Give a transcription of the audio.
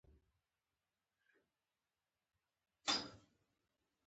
د احمد کورنۍ يې ور سټ کړه.